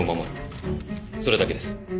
それだけです。